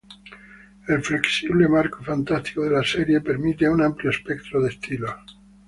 El flexible marco fantástico de la serie permite un amplio espectro de estilos.